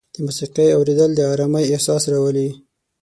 د موسیقۍ اورېدل د ارامۍ احساس راولي.